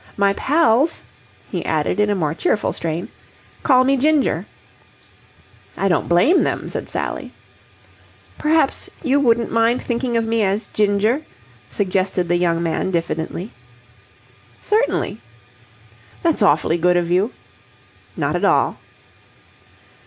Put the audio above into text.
My pals," he added in a more cheerful strain, "call me Ginger." "I don't blame them," said Sally. "Perhaps you wouldn't mind thinking of me as Ginger?'' suggested the young man diffidently. "Certainly." "That's awfully good of you." "Not at all."